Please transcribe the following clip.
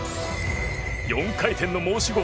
４回転の申し子